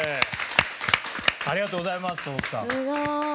ありがとうございます曽朴さん。